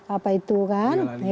apa itu kan